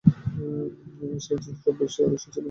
সে একজন সৎ ব্যবসায়ী, আদর্শ ছেলে, স্বামী এবং পিতা।